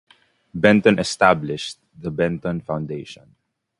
Benton established the Benton Foundation.